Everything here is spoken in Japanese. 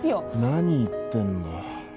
何言ってんの。